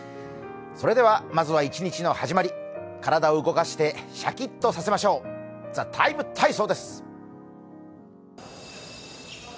それでは、まずは一日の始まり、体を動かしてシャキッとさせましょう、「ＴＨＥＴＩＭＥ，体操」です。